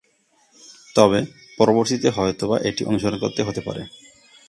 তবে, পরবর্তীতে হয়তোবা এটি অনুসরণ করতে হতে পারে।